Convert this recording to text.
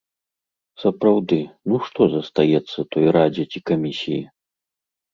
Сапраўды, ну што застаецца той радзе ці камісіі?